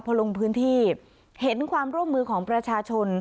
พอลงพื้นที่เห็นความร่วมมือของประชาชน